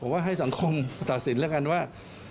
ผมว่าให้สังคมตัดสินแล้วกันว่า